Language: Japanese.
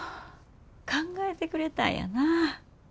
考えてくれたんやな。